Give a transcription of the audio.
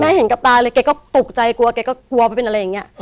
เห็นกับตาเลยแกก็ตกใจกลัวแกก็กลัวมันเป็นอะไรอย่างนี้